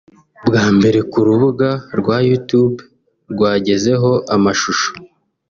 Bwa mbere ku rubuga rwa Youtube rwagezeho amashusho